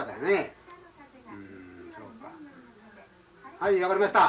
はい分かりました。